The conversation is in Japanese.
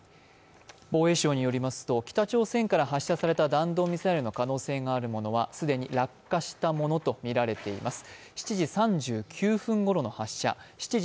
防衛省によりますと北朝鮮から発射した弾道ミサイルの可能性があるとみられるものは既に落下したものとみられています。